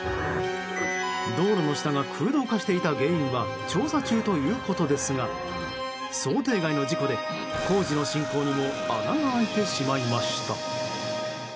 道路の下が空洞化していた原因は調査中ということですが想定外の事故で、工事の進行にも穴が開いてしまいました。